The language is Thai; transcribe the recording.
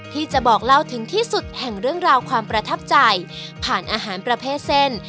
ที่จะบอกเล่าถึงที่สุดแห่งเรื่องราวความประทับใจผ่านอาหารประเภทเส้น